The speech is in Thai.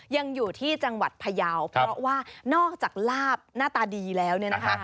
ยังอยู่ที่จังหวัดพยาวเพราะว่านอกจากลาบหน้าตาดีแล้วเนี่ยนะคะ